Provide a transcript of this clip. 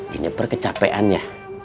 jeniper kecapean ya